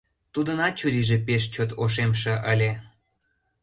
Тудынат чурийже пеш чот ошемше ыле.